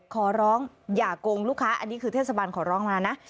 ขอร้องอย่าโกงลูกค้าอันนี้คือเทศบาลขอร้องมานะ